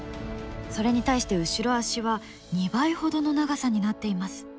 それに対して後ろ足は２倍ほどの長さになっています。